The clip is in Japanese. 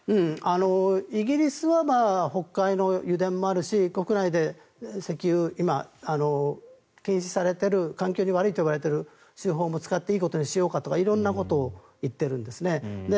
イギリスは北海の油田もあるし国内で石油、今、提示されている環境に悪いとされているものもいいことにしようかとか色んなことを言ってるんですね。